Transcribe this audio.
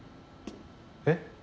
えっ？